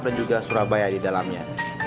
dan juga surabaya di dalamnya